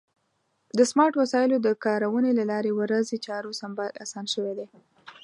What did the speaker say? د سمارټ وسایلو د کارونې له لارې د ورځې چارو سمبالول اسان شوي دي.